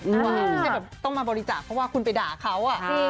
ไม่ใช่แบบต้องมาบริจาคเพราะว่าคุณไปด่าเขา